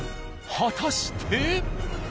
果たして。